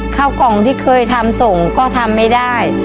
ข้าวกล่องที่เคยทำส่งก็ทำไม่ได้